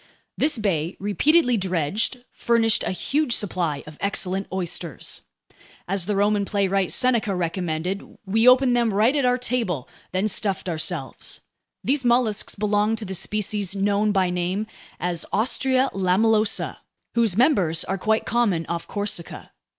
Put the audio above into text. This bay, repeatedly dredged, furnished a huge supply of excellent oysters. As the Roman playwright Seneca recommended, we opened them right at our table, then stuffed ourselves. These mollusks belonged to the species known by name as Ostrea lamellosa, whose members are quite common off Corsica.